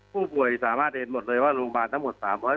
ผู้ป่วยสามารถเห็นหมดเลยว่าโรงพยาบาลทั้งหมด๓๐๐